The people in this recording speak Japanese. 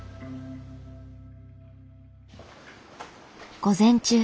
午前中。